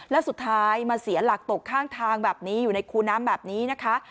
แล้วสุดท้ายมาเสียหลักตกข้างทางแบบนี้อยู่ในคูน้ำแบบนี้นะคะ